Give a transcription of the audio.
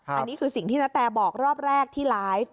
อันนี้คือสิ่งที่ณแตบอกรอบแรกที่ไลฟ์